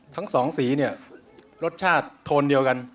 ทั้งสองสีเนี่ยรสชาติโทนเดียวกัน